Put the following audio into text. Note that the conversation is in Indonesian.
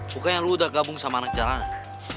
pokoknya lu udah gabung sama anak jalanan